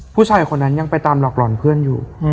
ผู้ชายคนนั้นยังไปตามหลอกหล่อนเพื่อนอยู่